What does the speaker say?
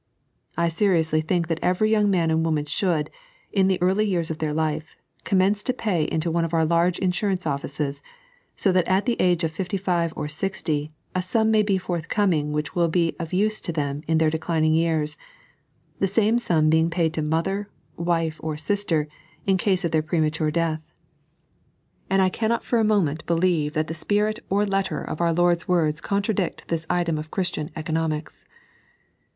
I seriously think that every yoiuig man and woman should, in the early years of their life, commence to pay into one of our large insurance offices, so that at the age of fifty five, or sixty, a sum may be forthcoming which will be of use to them in their declining years — the same sum being paid to mother, wife, or sister, in case of their premature death ; and I cannot for a moment believe that 3.n.iized by Google 136 The Disciples' Use op Monet. the spirit or letter of our IJord's words contradict this item of CbriBtian economicn.